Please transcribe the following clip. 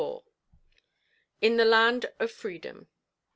_ IN THE LAND OF FREEDOM.